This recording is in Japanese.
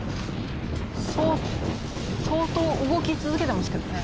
相当動き続けてますけどね。